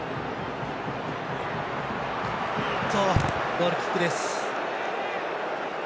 ゴールキックです。